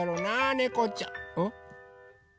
ねこちゃん？